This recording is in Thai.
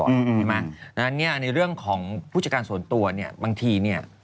เพราะฉะนั้นเนี่ยในเรื่องของผู้จัดการส่วนตัวเนี่ยบางทีเนี่ย